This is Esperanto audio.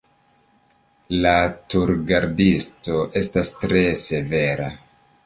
La turgardisto estas tre severa.